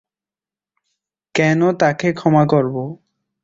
কেন তাকে ক্ষমা করবো?